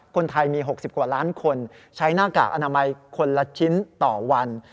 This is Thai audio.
คนไทยมี๖๐กว่าล้านคนใช้หน้ากากอนามัยคนละชิ้นต่อวัน